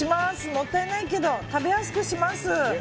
もったいないけど食べやすくします。